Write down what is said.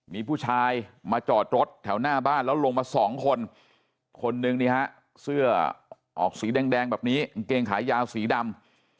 มีผู้ชายมาจอดรถแถวหน้าบ้านแล้วลงมาสองคนคนหนึ่งนี่ฮะเสื้อออกสีแดงแบบนี้กางเกงขายาวสีดำ